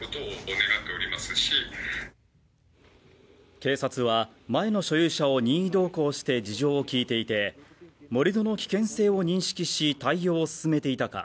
警察は、前の所有者を任意同行して事情を聴いていて、盛り土の危険性を認識し対応を進めていたか